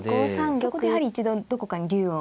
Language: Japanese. そこでやはり一度どこかに竜を。